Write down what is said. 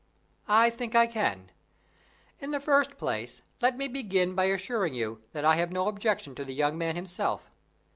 "I think I can. In the first place, let me begin by assuring you that I have no objection to the young man himself.